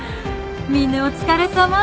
みんなお疲れさま。